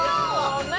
何？